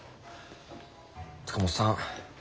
塚本さん